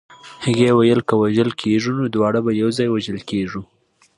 هغې ویل که وژل کېږو نو دواړه به یو ځای وژل کېږو